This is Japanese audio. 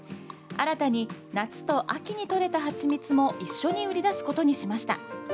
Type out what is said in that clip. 新たに、夏と秋にとれたはちみつも一緒に売り出すことにしました。